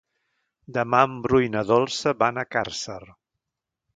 Demà en Bru i na Dolça van a Càrcer.